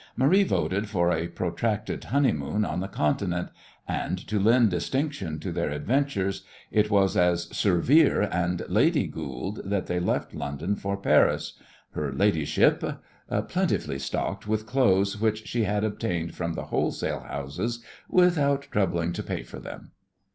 Marie voted for a protracted honeymoon on the Continent, and, to lend distinction to their adventures, it was as Sir Vere and Lady Goold that they left London for Paris, "her ladyship" plentifully stocked with clothes which she had obtained from the wholesale houses without troubling to pay for them.